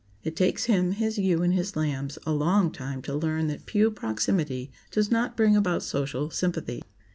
It takes him, his ewe and his lambs, a long time to learn that pew proximity does not bring about social sympathy.